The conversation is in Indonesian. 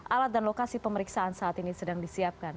alat dan lokasi pemeriksaan saat ini sedang disiapkan